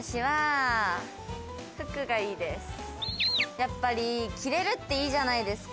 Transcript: やっぱり着れるっていいじゃないですか。